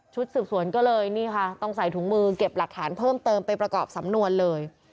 สืบสวนก็เลยนี่ค่ะต้องใส่ถุงมือเก็บหลักฐานเพิ่มเติมไปประกอบสำนวนเลย